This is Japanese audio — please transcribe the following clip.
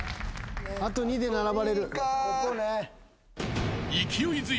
あと２で並ばれる。